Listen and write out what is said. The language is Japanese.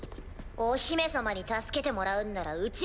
お姫様に助けてもらうんならうち